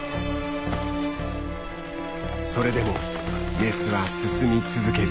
それでもメスは進み続ける。